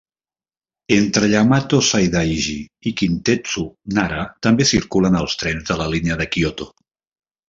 Entre Yamato-Saidaiji i Kintetsu Nara també circulen els trens de la línia de Kyoto.